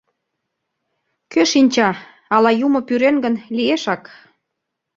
Кӧ шинча, ала юмо пӱрен гын, лиешак?